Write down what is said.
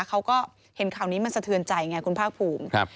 เขาก็เห็นข่าวนี้มันสะเทือนใจไงคุณภาคภูมิ